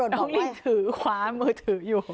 น้องยังถือคว้ามือถืออยู่